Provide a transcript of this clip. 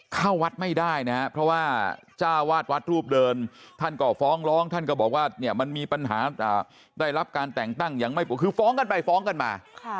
เข้าวัดไม่ได้นะครับเพราะว่าจ้าวาดวัดรูปเดินท่านก็ฟ้องร้องท่านก็บอกว่าเนี่ยมันมีปัญหาได้รับการแต่งตั้งยังไม่คือฟ้องกันไปฟ้องกันมา